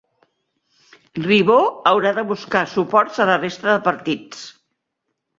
Ribó haurà de buscar suports a la resta de partits